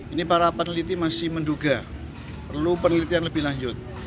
ini para peneliti masih menduga perlu penelitian lebih lanjut